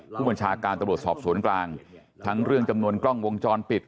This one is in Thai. ผู้บัญชาการตำรวจสอบสวนกลางทั้งเรื่องจำนวนกล้องวงจรปิด